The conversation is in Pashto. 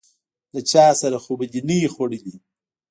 _له چا سره خو به دي نه و ي خوړلي؟